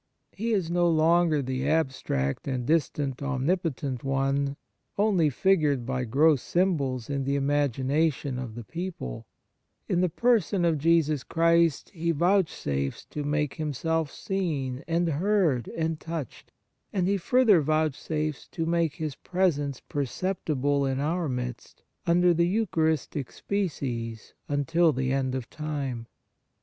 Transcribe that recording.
He is no longer the abstract and dis tant Omnipotent One, only figured by gross symbols in the imagination of the people; in the person of Jesus Christ He vouchsafes to make Him self seen and heard and touched, and He further vouchsafes to make His 41 On Piety presence perceptible in our midst under the Eucharistic species until the end of time.